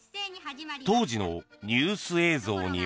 当時のニュース映像には。